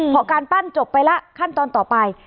พอการปั้นจบไปแล้วขั้นตอนต่อไป